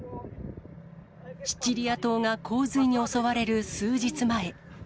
シチリア島が洪水に襲われる数日前。